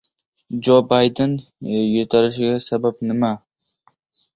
Jo Bayden yo‘talishiga sabab nima?